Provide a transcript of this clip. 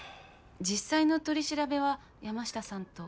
実際の取り調べは山下さんと。